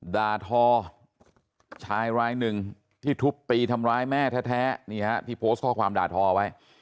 ด่าทอชายรายหนึ่งที่ทุบตีทำร้ายแม่แท้นี่ฮะที่โพสต์ข้อความด่าทอไว้